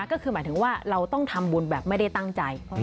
ก็คือหมายถึงว่าเราต้องทำบุญแบบไม่ได้ตั้งใจ